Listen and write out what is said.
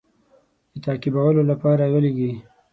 د تعقیبولو لپاره ولېږي.